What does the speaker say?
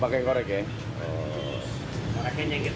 pakai korek ya